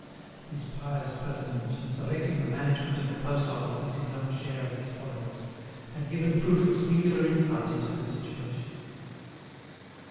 This pious personage, in selecting the management of the post office as his own share of the spoils, had given proof of singular insight into the situation.